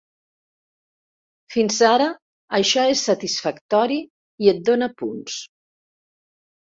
Fins ara això és satisfactori i et dóna punts.